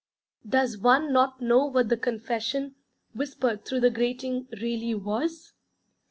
Does one not know what the 'Confession,' whispered through the grating, really was?